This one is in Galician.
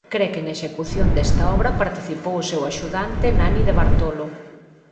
Cre que na execución desta obra participou o seu axudante Nanni de Bartolo.